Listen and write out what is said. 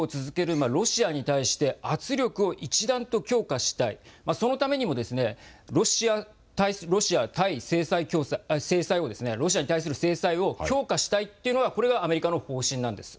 ロシアに対して圧力を一段と強化したい、そのためにもロシアに対する制裁を強化したいというのがアメリカの方針なんです。